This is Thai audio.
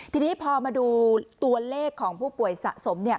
ทีนี้พอมาดูตัวเลขของผู้ป่วยสะสม